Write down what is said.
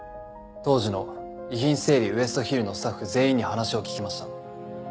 当時の遺品整理ウエストヒルのスタッフ全員に話を聞きました。